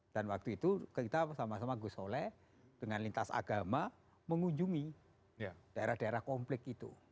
dan waktu itu kita sama sama gusole dengan lintas agama mengunjungi daerah daerah komplik itu